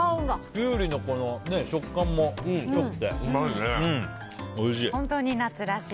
キュウリの食感も良くておいしい。